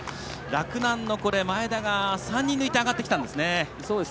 洛南の前田が３人抜いて上がってきたんですね。